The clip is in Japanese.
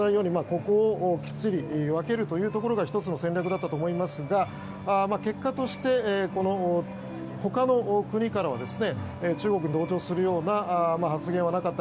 ここをきっちり分けるというところが１つの戦略だったと思いますが結果として他の国からは中国に同調するような発言はなかった。